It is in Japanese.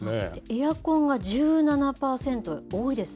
エアコンが１７％、多いです